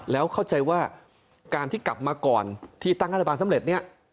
แล้วเข้าใจว่าการที่กลับมาก่อนที่ตั้งรัฐบาลสำเร็จเนี่ย